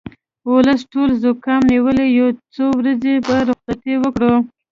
ولس ټول زوکام نیولی یو څو ورځې به رخصتي وکړو